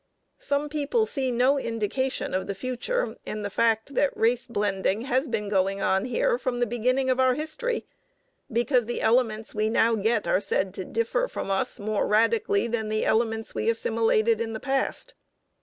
Some people see no indication of the future in the fact that race blending has been going on here from the beginning of our history, because the elements we now get are said to differ from us more radically than the elements we assimilated in the past.